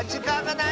ない！